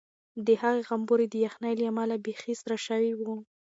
د هغې غومبوري د یخنۍ له امله بیخي سره شوي وو.